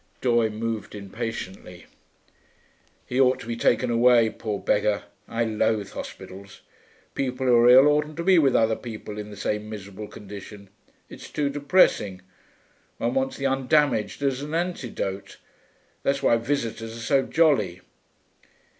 Doye moved impatiently. 'He ought to be taken away, poor beggar.... I loathe hospitals. People who are ill oughtn't to be with other people in the same miserable condition; it's too depressing. One wants the undamaged, as an antidote. That's why visitors are so jolly.'